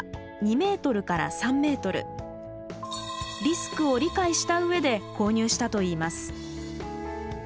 リスクを理解した上で購入したといいます。